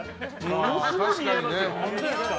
ものすごい映えますよ。